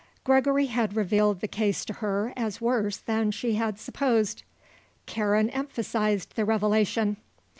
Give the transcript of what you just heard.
Gregory had revealed the case to her as worse than she had supposed; Karen emphasized the revelation.